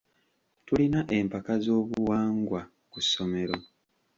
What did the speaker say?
Tulina empaka z'obuwangwa ku ssomero.